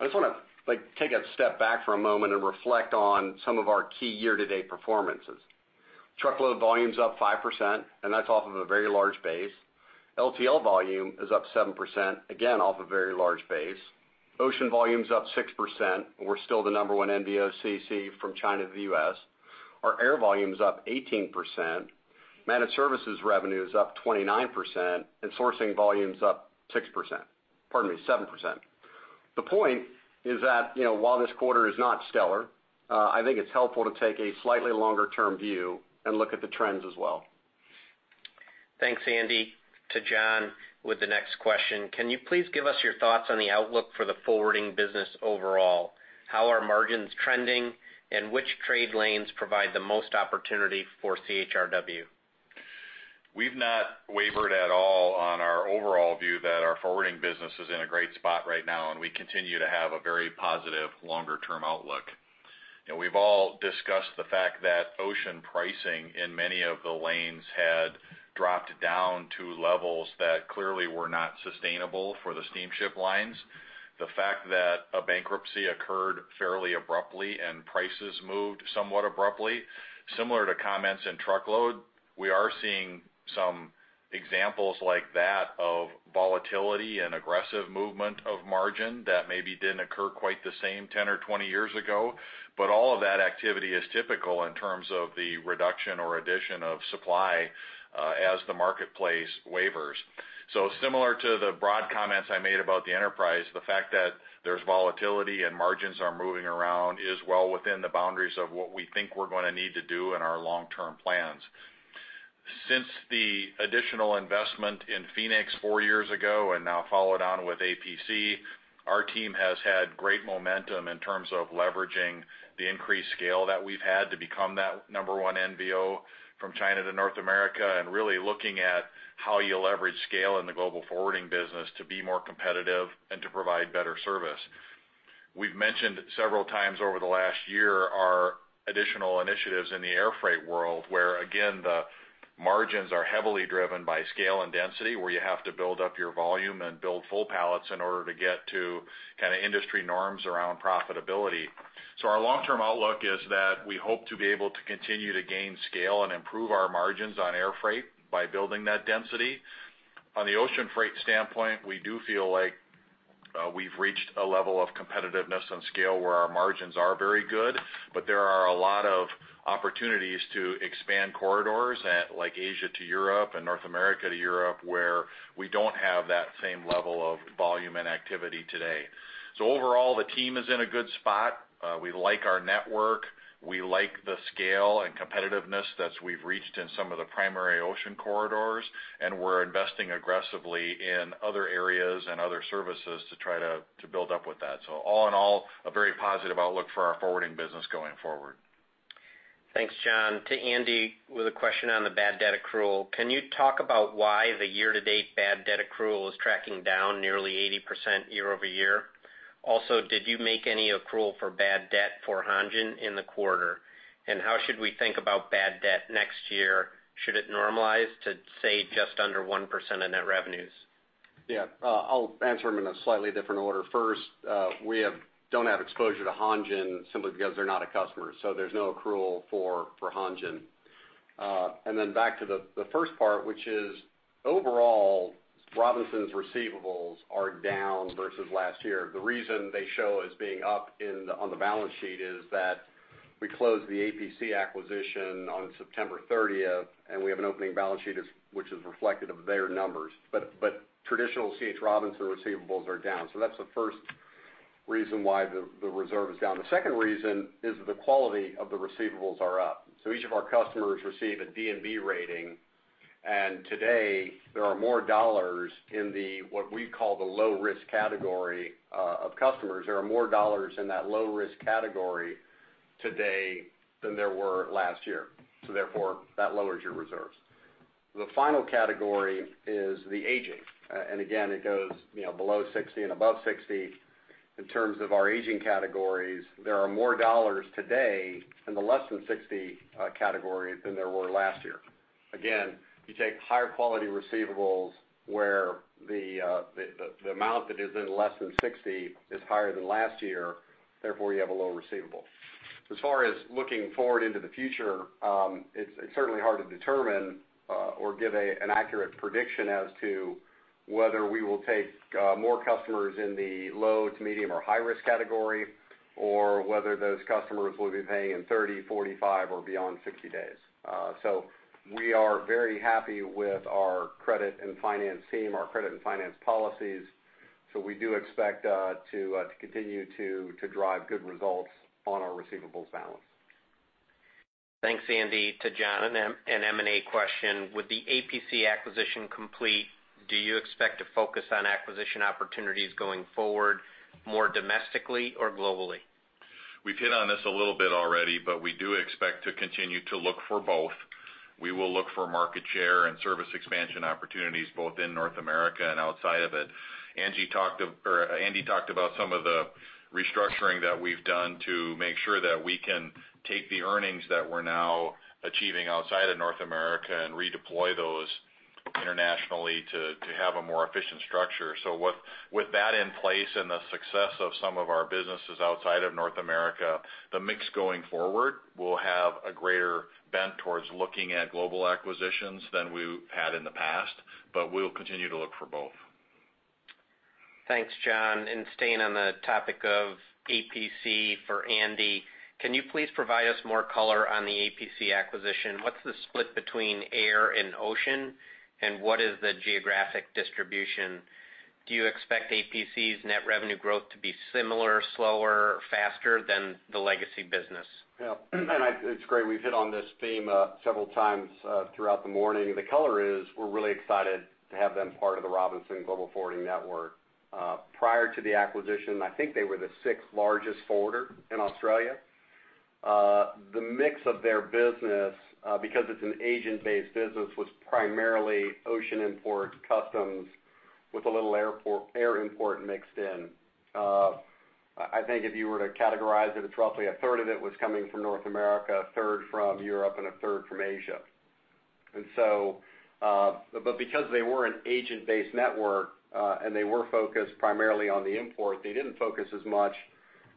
I just want to take a step back for a moment and reflect on some of our key year-to-date performances. Truckload volume's up 5%. That's off of a very large base. LTL volume is up 7%, again, off a very large base. Ocean volume's up 6%. We're still the number one NVOCC from China to the U.S. Our air volume's up 18%. Managed Services revenue is up 29%. Sourcing volume's up 7%. The point is that, while this quarter is not stellar, I think it's helpful to take a slightly longer-term view and look at the trends as well. Thanks, Andy. To John with the next question. Can you please give us your thoughts on the outlook for the forwarding business overall? How are margins trending, and which trade lanes provide the most opportunity for CHRW? We've not wavered at all on our overall view that our forwarding business is in a great spot right now. We continue to have a very positive longer-term outlook. We've all discussed the fact that ocean pricing in many of the lanes had dropped down to levels that clearly were not sustainable for the steamship lines. The fact that a bankruptcy occurred fairly abruptly and prices moved somewhat abruptly, similar to comments in truckload, we are seeing some examples like that of volatility and aggressive movement of margin that maybe didn't occur quite the same 10 or 20 years ago. All of that activity is typical in terms of the reduction or addition of supply as the marketplace wavers. Similar to the broad comments I made about the enterprise, the fact that there's volatility and margins are moving around is well within the boundaries of what we think we're going to need to do in our long-term plans. Since the additional investment in Phoenix International four years ago, and now followed on with APC, our team has had great momentum in terms of leveraging the increased scale that we've had to become that number 1 NVO from China to North America and really looking at how you leverage scale in the Global Forwarding business to be more competitive and to provide better service. We've mentioned several times over the last year our additional initiatives in the air freight world, where again, the margins are heavily driven by scale and density, where you have to build up your volume and build full pallets in order to get to industry norms around profitability. Our long-term outlook is that we hope to be able to continue to gain scale and improve our margins on air freight by building that density. On the ocean freight standpoint, we do feel like We've reached a level of competitiveness and scale where our margins are very good, but there are a lot of opportunities to expand corridors like Asia to Europe and North America to Europe, where we don't have that same level of volume and activity today. Overall, the team is in a good spot. We like our network. We like the scale and competitiveness that we've reached in some of the primary ocean corridors, and we're investing aggressively in other areas and other services to try to build up with that. All in all, a very positive outlook for our Forwarding business going forward. Thanks, John. To Andy, with a question on the bad debt accrual. Can you talk about why the year-to-date bad debt accrual is tracking down nearly 80% year-over-year? Also, did you make any accrual for bad debt for Hanjin in the quarter? And how should we think about bad debt next year? Should it normalize to, say, just under 1% of net revenues? Yeah. I'll answer them in a slightly different order. First, we don't have exposure to Hanjin simply because they're not a customer, so there's no accrual for Hanjin. Back to the first part, which is overall, Robinson's receivables are down versus last year. The reason they show as being up on the balance sheet is that we closed the APC acquisition on September 30th, and we have an opening balance sheet which is reflective of their numbers. Traditional C.H. Robinson receivables are down. That's the first reason why the reserve is down. The second reason is the quality of the receivables are up. Each of our customers receive a D&B rating, and today, there are more dollars in the, what we call the low-risk category of customers. There are more dollars in that low-risk category today than there were last year. Therefore, that lowers your reserves. The final category is the aging. Again, it goes below 60 and above 60. In terms of our aging categories, there are more dollars today in the less than 60 category than there were last year. Again, you take higher quality receivables where the amount that is in less than 60 is higher than last year. Therefore, you have a lower receivable. As far as looking forward into the future, it's certainly hard to determine or give an accurate prediction as to whether we will take more customers in the low to medium or high-risk category, or whether those customers will be paying in 30, 45, or beyond 60 days. We are very happy with our credit and finance team, our credit and finance policies. We do expect to continue to drive good results on our receivables balance. Thanks, Andy. To John, an M&A question. With the APC acquisition complete, do you expect to focus on acquisition opportunities going forward more domestically or globally? We've hit on this a little bit already, we do expect to continue to look for both. We will look for market share and service expansion opportunities both in North America and outside of it. Andy talked about some of the restructuring that we've done to make sure that we can take the earnings that we're now achieving outside of North America and redeploy those internationally to have a more efficient structure. With that in place and the success of some of our businesses outside of North America, the mix going forward will have a greater bent towards looking at global acquisitions than we've had in the past, but we will continue to look for both. Thanks, John. Staying on the topic of APC for Andy, can you please provide us more color on the APC acquisition? What's the split between air and ocean, and what is the geographic distribution? Do you expect APC's net revenue growth to be similar, slower, faster than the legacy business? Yeah. It's great we've hit on this theme several times throughout the morning. The color is we're really excited to have them part of the Robinson Global Forwarding network. Prior to the acquisition, I think they were the sixth largest forwarder in Australia. The mix of their business, because it's an agent-based business, was primarily ocean import customs with a little air import mixed in. I think if you were to categorize it's roughly a third of it was coming from North America, a third from Europe, and a third from Asia. Because they were an agent-based network, and they were focused primarily on the import, they didn't focus as much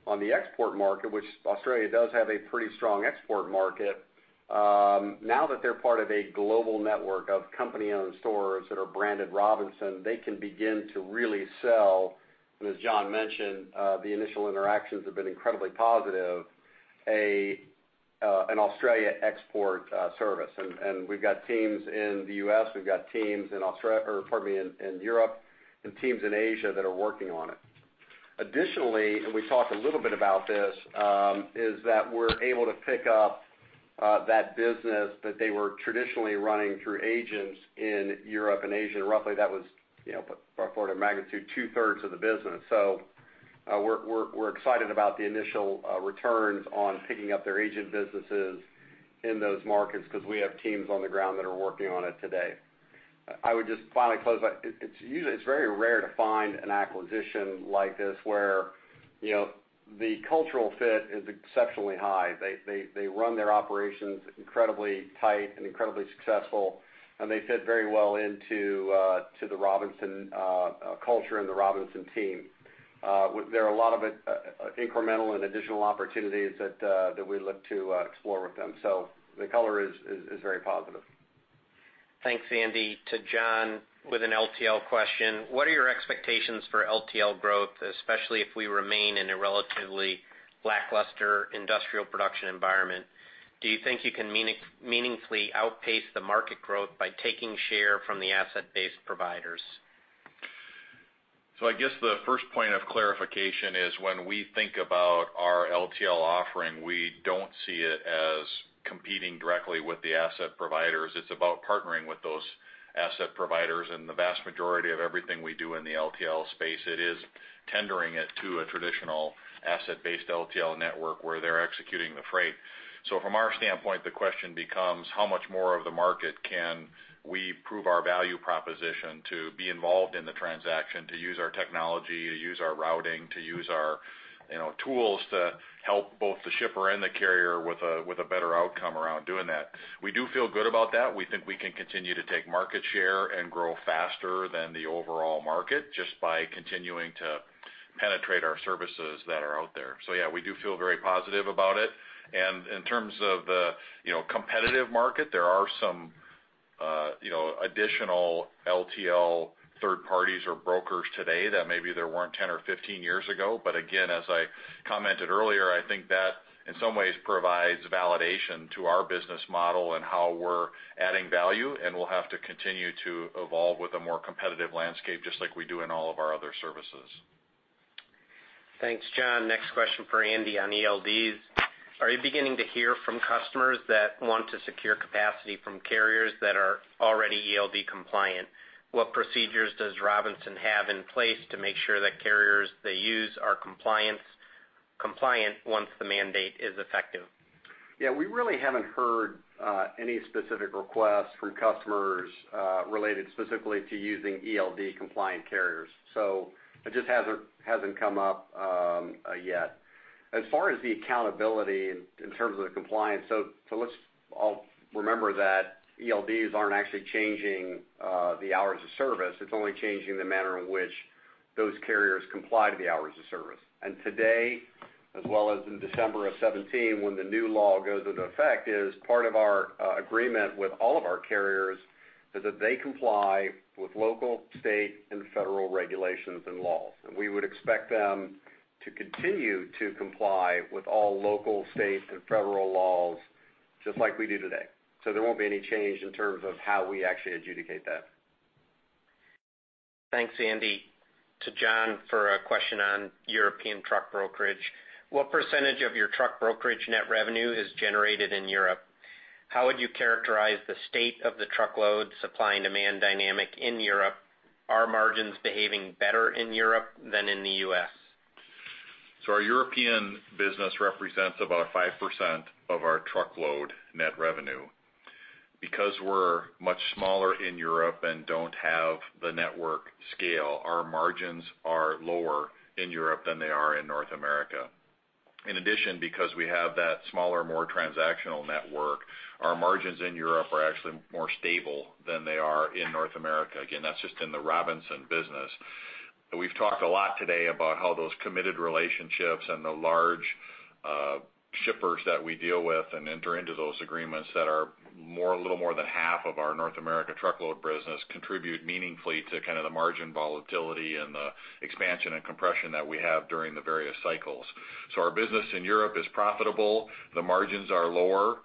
on the export market, which Australia does have a pretty strong export market. Now that they're part of a global network of company-owned stores that are branded Robinson, they can begin to really sell, and as John mentioned, the initial interactions have been incredibly positive, an Australia export service. We've got teams in the U.S., we've got teams in Europe, and teams in Asia that are working on it. Additionally, we talked a little bit about this, is that we're able to pick up that business that they were traditionally running through agents in Europe and Asia. Roughly, that was, for order of magnitude, two-thirds of the business. We're excited about the initial returns on picking up their agent businesses in those markets because we have teams on the ground that are working on it today. I would just finally close by, it's very rare to find an acquisition like this where the cultural fit is exceptionally high. They run their operations incredibly tight and incredibly successful, and they fit very well into the Robinson culture and the Robinson team. There are a lot of incremental and additional opportunities that we look to explore with them. The color is very positive. Thanks, Andy. To John, with an LTL question, what are your expectations for LTL growth, especially if we remain in a relatively lackluster industrial production environment? Do you think you can meaningfully outpace the market growth by taking share from the asset-based providers? I guess the first point of clarification is when we think about our LTL offering, we don't see it as competing directly with the asset providers. It's about partnering with those asset providers, and the vast majority of everything we do in the LTL space, it is tendering it to a traditional asset-based LTL network where they're executing the freight. From our standpoint, the question becomes, how much more of the market can we prove our value proposition to be involved in the transaction, to use our technology, to use our routing, to use our tools to help both the shipper and the carrier with a better outcome around doing that? We do feel good about that. We think we can continue to take market share and grow faster than the overall market just by continuing to penetrate our services that are out there. Yeah, we do feel very positive about it. In terms of the competitive market, there are some additional LTL third parties or brokers today that maybe there weren't 10 or 15 years ago. Again, as I commented earlier, I think that, in some ways, provides validation to our business model and how we're adding value, and we'll have to continue to evolve with a more competitive landscape, just like we do in all of our other services. Thanks, Andy. Next question for Andy on ELDs. Are you beginning to hear from customers that want to secure capacity from carriers that are already ELD compliant? What procedures does Robinson have in place to make sure that carriers they use are compliant once the mandate is effective? Yeah, we really haven't heard any specific requests from customers related specifically to using ELD compliant carriers. It just hasn't come up yet. As far as the accountability in terms of the compliance, let's all remember that ELDs aren't actually changing the hours of service. It's only changing the manner in which those carriers comply to the hours of service. Today, as well as in December of 2017, when the new law goes into effect, is part of our agreement with all of our carriers is that they comply with local, state, and federal regulations and laws. We would expect them to continue to comply with all local, state, and federal laws just like we do today. There won't be any change in terms of how we actually adjudicate that. Thanks, Andy. To John for a question on European truck brokerage. What percentage of your truck brokerage net revenue is generated in Europe? How would you characterize the state of the truckload supply and demand dynamic in Europe? Are margins behaving better in Europe than in the U.S.? Our European business represents about 5% of our truckload net revenue. Because we're much smaller in Europe and don't have the network scale, our margins are lower in Europe than they are in North America. In addition, because we have that smaller, more transactional network, our margins in Europe are actually more stable than they are in North America. Again, that's just in the Robinson business. We've talked a lot today about how those committed relationships and the large shippers that we deal with and enter into those agreements that are a little more than half of our North America truckload business contribute meaningfully to kind of the margin volatility and the expansion and compression that we have during the various cycles. Our business in Europe is profitable. The margins are lower,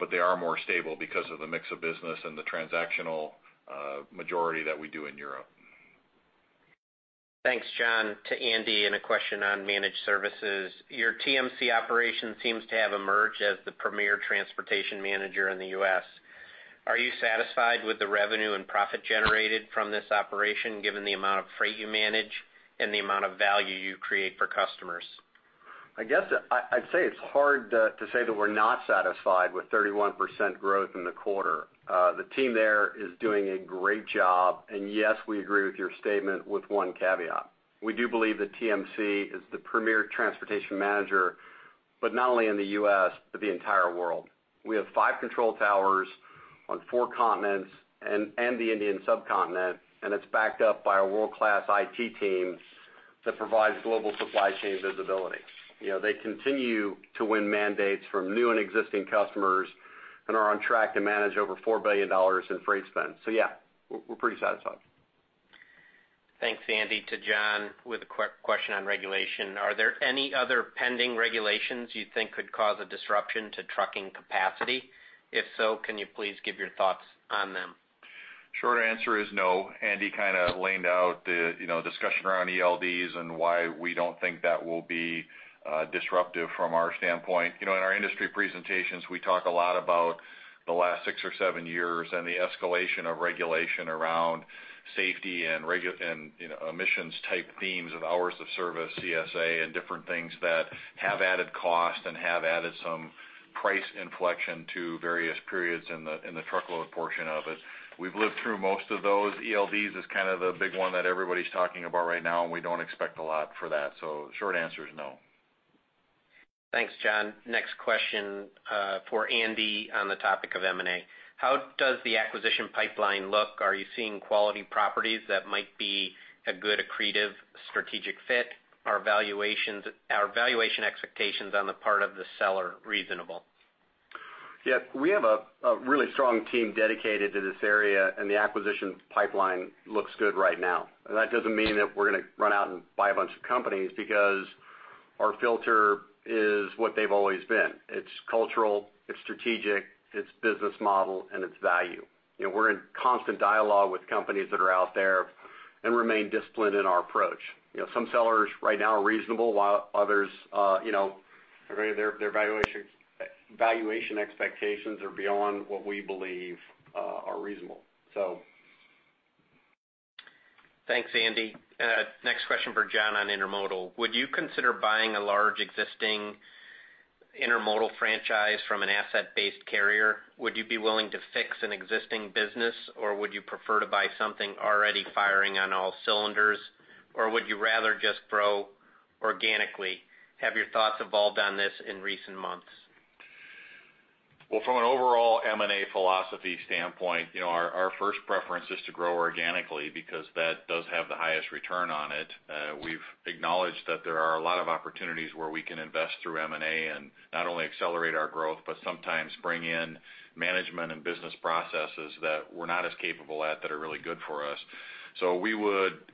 but they are more stable because of the mix of business and the transactional majority that we do in Europe. Thanks, John. A question on Managed Services. Your TMC operation seems to have emerged as the premier transportation manager in the U.S. Are you satisfied with the revenue and profit generated from this operation, given the amount of freight you manage and the amount of value you create for customers? I guess I'd say it's hard to say that we're not satisfied with 31% growth in the quarter. The team there is doing a great job. Yes, we agree with your statement with one caveat. We do believe that TMC is the premier transportation manager, not only in the U.S., but the entire world. We have five control towers on four continents and the Indian subcontinent. It's backed up by a world-class IT team that provides global supply chain visibility. They continue to win mandates from new and existing customers and are on track to manage over $4 billion in freight spend. Yeah, we're pretty satisfied. Thanks, Andy. To John with a quick question on regulation. Are there any other pending regulations you think could cause a disruption to trucking capacity? If so, can you please give your thoughts on them? Short answer is no. Andy kind of laid out the discussion around ELDs and why we don't think that will be disruptive from our standpoint. In our industry presentations, we talk a lot about the last six or seven years and the escalation of regulation around safety and emissions type themes of hours of service, CSA, and different things that have added cost and have added some price inflection to various periods in the truckload portion of it. We've lived through most of those. ELDs is kind of the big one that everybody's talking about right now, and we don't expect a lot for that. Short answer is no. Thanks, John. Next question for Andy on the topic of M&A. How does the acquisition pipeline look? Are you seeing quality properties that might be a good accretive strategic fit? Are valuation expectations on the part of the seller reasonable? Yeah. We have a really strong team dedicated to this area, the acquisition pipeline looks good right now. That doesn't mean that we're going to run out and buy a bunch of companies, because our filter is what they've always been. It's cultural, it's strategic, it's business model, and it's value. We're in constant dialogue with companies that are out there and remain disciplined in our approach. Some sellers right now are reasonable, while others, their valuation expectations are beyond what we believe are reasonable. Thanks, Andy. Next question for John on intermodal. Would you consider buying a large existing intermodal franchise from an asset-based carrier? Would you be willing to fix an existing business, or would you prefer to buy something already firing on all cylinders? Would you rather just grow organically? Have your thoughts evolved on this in recent months? Well, from an overall M&A philosophy standpoint, our first preference is to grow organically because that does have the highest return on it. We've acknowledged that there are a lot of opportunities where we can invest through M&A, and not only accelerate our growth, but sometimes bring in management and business processes that we're not as capable at, that are really good for us.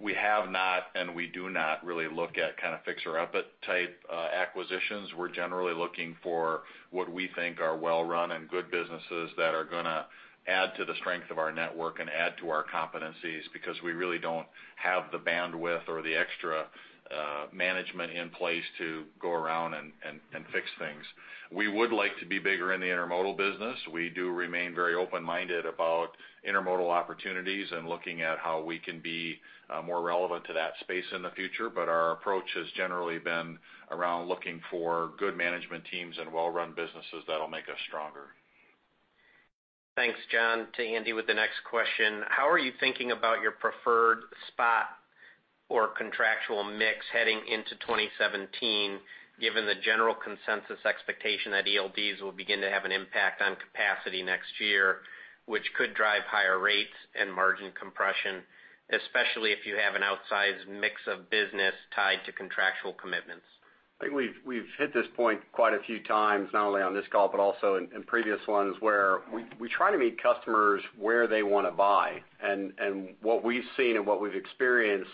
We have not, and we do not really look at fixer-upper type acquisitions. We're generally looking for what we think are well-run and good businesses that are going to add to the strength of our network and add to our competencies, because we really don't have the bandwidth or the extra management in place to go around and fix things. We would like to be bigger in the intermodal business. We do remain very open-minded about intermodal opportunities and looking at how we can be more relevant to that space in the future. Our approach has generally been around looking for good management teams and well-run businesses that'll make us stronger. Thanks, John. To Andy with the next question, how are you thinking about your preferred spot or contractual mix heading into 2017, given the general consensus expectation that ELDs will begin to have an impact on capacity next year, which could drive higher rates and margin compression, especially if you have an outsized mix of business tied to contractual commitments? I think we've hit this point quite a few times, not only on this call, but also in previous ones, where we try to meet customers where they want to buy. What we've seen and what we've experienced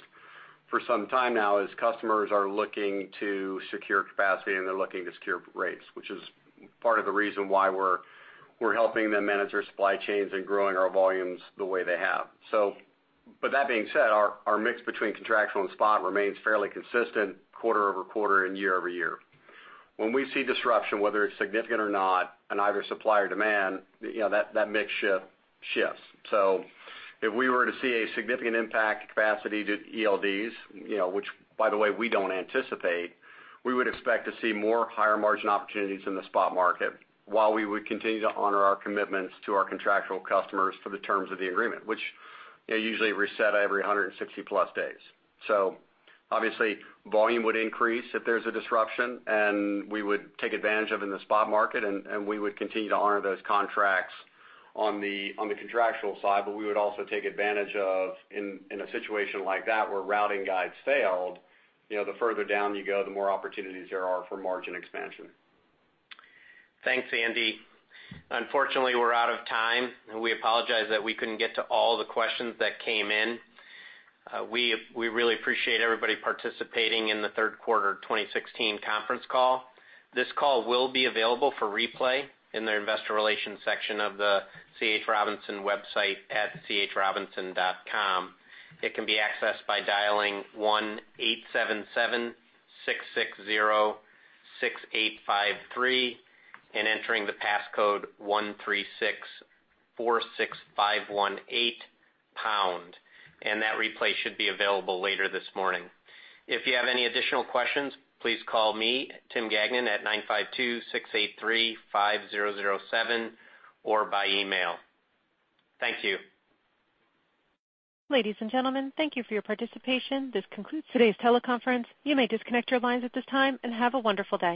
for some time now is customers are looking to secure capacity and they're looking to secure rates, which is part of the reason why we're helping them manage their supply chains and growing our volumes the way they have. That being said, our mix between contractual and spot remains fairly consistent quarter-over-quarter and year-over-year. When we see disruption, whether it's significant or not, on either supply or demand, that mix shifts. If we were to see a significant impact to capacity to ELDs, which by the way, we don't anticipate, we would expect to see more higher margin opportunities in the spot market while we would continue to honor our commitments to our contractual customers for the terms of the agreement, which usually reset every 160-plus days. Obviously, volume would increase if there's a disruption, and we would take advantage of it in the spot market, and we would continue to honor those contracts on the contractual side. We would also take advantage of, in a situation like that, where routing guides failed, the further down you go, the more opportunities there are for margin expansion. Thanks, Andy. Unfortunately, we're out of time, and we apologize that we couldn't get to all the questions that came in. We really appreciate everybody participating in the third quarter 2016 conference call. This call will be available for replay in the investor relations section of the C.H. Robinson website at chrobinson.com. It can be accessed by dialing 1-877-660-6853 and entering the passcode 13646518#. That replay should be available later this morning. If you have any additional questions, please call me, Tim Gagnon, at 952-683-5007, or by email. Thank you. Ladies and gentlemen, thank you for your participation. This concludes today's teleconference. You may disconnect your lines at this time, and have a wonderful day.